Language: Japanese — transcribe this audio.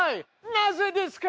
なぜですか！